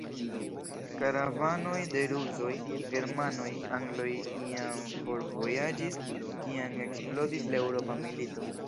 Karavanoj de Rusoj, Germanoj, Angloj jam forvojaĝis, kiam eksplodis la eŭropa milito.